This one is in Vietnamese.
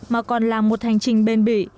mà còn là một hành trình bền bỉ